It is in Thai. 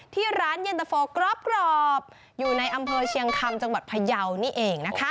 ที่ร้านเย็นตะโฟกรอบอยู่ในอำเภอเชียงคำจังหวัดพยาวนี่เองนะคะ